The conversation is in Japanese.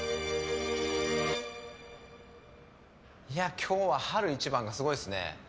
今日は春一番がすごいですね。